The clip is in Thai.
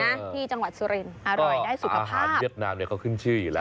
ที่จังหวัดสุรินทร์อร่อยได้สุขภาพเวียดนามเนี่ยเขาขึ้นชื่ออยู่แล้ว